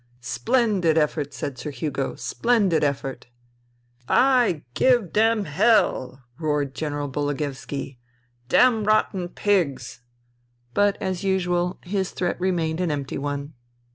"Splendid effort!" said Sir Hugo. "Splendid effort !'*" I give dem h h hell !" roared General Bologoevski. " Damrotten pigs !" But, as usual, his threat remained an empty one.